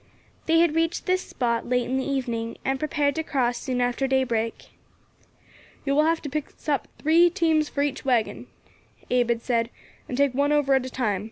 They had reached this spot late in the evening, and prepared to cross soon after daybreak "You will have to fix up three teams to each waggon," Abe had said, "and take one over at a time.